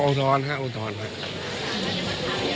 อ๋อเอาท้อนครับเอาท้อนครับ